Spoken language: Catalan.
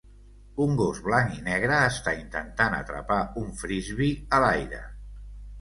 Un gos blanc i negre està intentant atrapar un frisbee a l'aire.